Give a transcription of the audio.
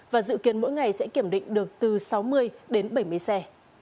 và dự kiến mỗi ngày sẽ kiểm định được từ sáu mươi đến bảy mươi xe